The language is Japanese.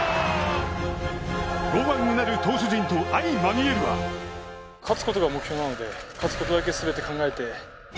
剛腕うなる投手陣と相まみえるは勝つことが目標なので勝つことだけ全て考えて。